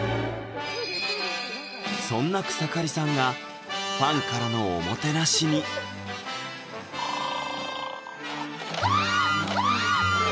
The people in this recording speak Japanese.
そんな草刈さんがファンからのおもてなしにわっ！